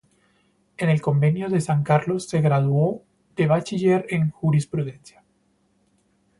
En el Convictorio de San Carlos se graduó de bachiller en Jurisprudencia.